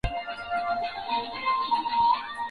maanisha nini kwa wakenya wengine na hususan